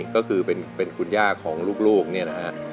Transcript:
ก็คือเป็นคุณย่าของลูกเนี่ยนะฮะ